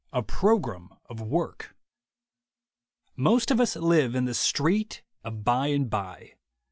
XIII A PROGRAM OF WORK MOST of us live in the Street of By and By.